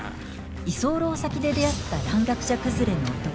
居候先で出会った蘭学者くずれの男